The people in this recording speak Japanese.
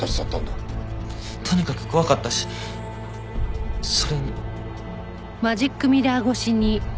とにかく怖かったしそれに。